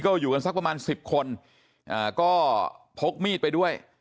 ก็อยู่กันสักประมาณ๑๐คนก็พกมีดไปด้วย